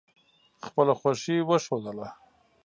خپله خوښي وښودله.